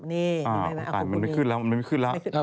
นี่มีไหมครับคุณนี้มันไม่ขึ้นแล้ว